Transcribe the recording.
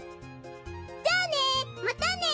じゃあねまたね。